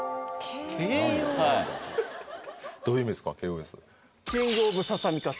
どういう意味ですか？